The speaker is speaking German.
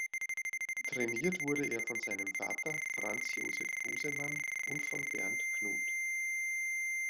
Trainiert wurde er von seinem Vater, Franz Josef Busemann, und von Bernd Knut.